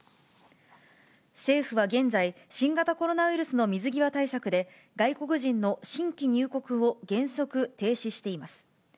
政府は現在、新型コロナウイルスの水際対策で、外国人の新規入国を原則停止しています。